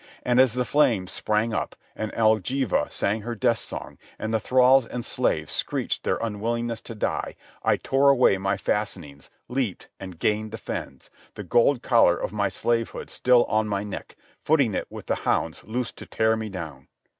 And as the flames sprang up, and Elgiva sang her death song, and the thralls and slaves screeched their unwillingness to die, I tore away my fastenings, leaped, and gained the fens, the gold collar of my slavehood still on my neck, footing it with the hounds loosed to tear me down.